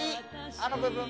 あの部分が。